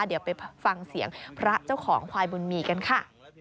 เดี๋ยวไปฟังเสียงพระเจ้าของควายบุญมีกันค่ะ